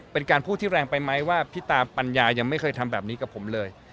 มีพูดแรงไปไหมว่าพิตาปัญญายังไม่เคยทั้งแบบนี้กับผมเลย